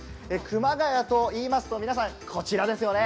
熊谷といいますと皆さん、こちらですよね、